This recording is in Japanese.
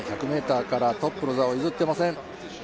１００ｍからトップの座を譲っていません。